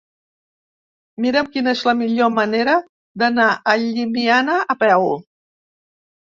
Mira'm quina és la millor manera d'anar a Llimiana a peu.